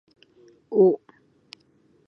お